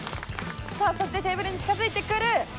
さあそしてテーブルに近づいてくる。